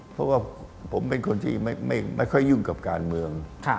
เพราะว่าผมเป็นคนที่ไม่ค่อยยุ่งกับการเมือง